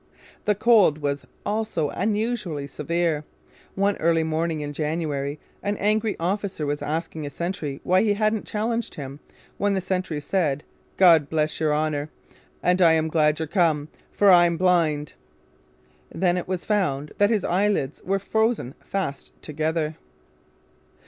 The cold was also unusually severe. One early morning in January an angry officer was asking a sentry why he hadn't challenged him, when the sentry said, 'God bless your Honour! and I'm glad you're come, for I'm blind!' Then it was found that his eyelids were frozen fast together.